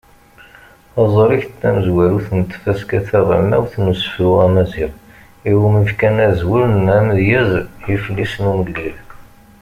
Taẓrigt tamezwarut n tfaska taɣelnawt n usefru amaziɣ iwumi fkan azwel n “Amedyez Iflisen Umellil”.